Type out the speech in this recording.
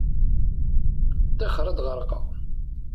Ṭṭixer ad ɣerqeɣ.